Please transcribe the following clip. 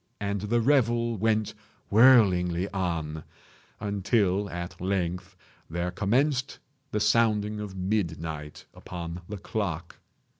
And the revel went whirlingly on, until at length there commenced the sounding of midnight upon the clock.